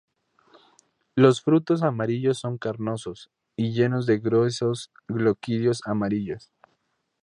Los frutos amarillos son carnosos y lleno de gruesos gloquidios amarillos.